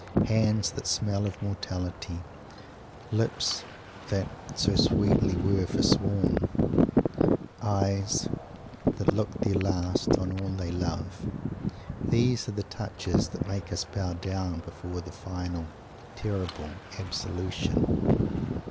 Hands that "smell of mortality," lips that "so sweetly were forsworn," eyes that "look their last" on all they love, these are the touches that make us bow down before the final terrible absolution.